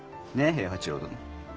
平八郎殿。